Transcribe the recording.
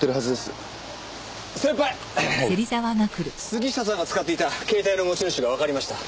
杉下さんが使っていた携帯の持ち主がわかりました。